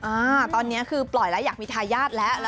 อ่าตอนนี้คือปล่อยแล้วอยากมีทายาทแล้ว